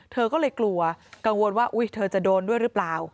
เธอก็เลยกลัวกังวลว่าอุ๊ยเธอจะโดนด้วยหรือเปล่า